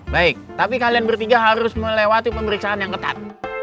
baik tapi kalian bertiga harus melewati pemeriksaan yang ketat